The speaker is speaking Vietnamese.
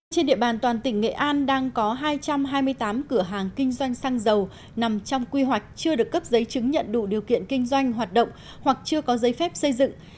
trên địa bàn toàn tỉnh nghệ an đang có hai trăm hai mươi tám cửa hàng kinh doanh xăng dầu nằm trong quy hoạch chưa được cấp giấy chứng nhận đủ điều kiện kinh doanh hoạt động hoặc chưa có giấy phép xây dựng